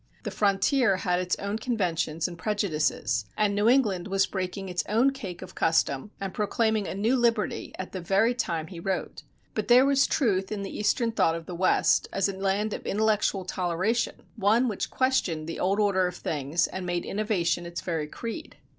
The frontier had its own conventions and prejudices, and New England was breaking its own cake of custom and proclaiming a new liberty at the very time he wrote. But there was truth in the Eastern thought of the West, as a land of intellectual toleration, one which questioned the old order of things and made innovation its very creed.